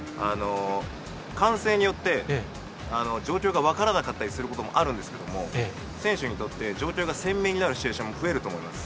歓声によって状況が分からなかったりすることもあるんですけれども、選手にとって状況が鮮明になるシチュエーションも増えると思います。